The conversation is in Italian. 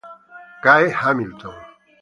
Gay Hamilton